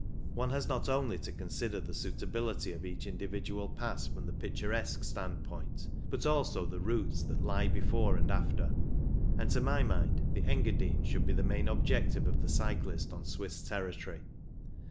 One has not only to consider the suitability of each individual pass from the picturesque standpoint, but also the routes that lie before and after, and to my mind the Engadine should be the main objective of the cyclist on Swiss territory.